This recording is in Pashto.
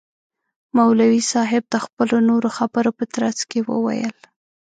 مولوی صاحب د خپلو نورو خبرو په ترڅ کي وویل.